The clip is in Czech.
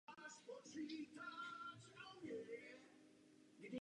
Toto období bylo celkově pro Cher velmi úspěšné.